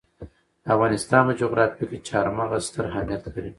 د افغانستان په جغرافیه کې چار مغز ستر اهمیت لري.